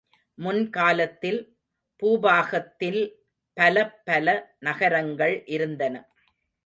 முன் காலத்தில், பூபாகத்தில் பலப் பல நகரங்கள் இருந்தன.